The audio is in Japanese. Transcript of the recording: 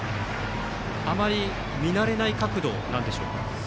あまり見慣れない角度なんでしょうか。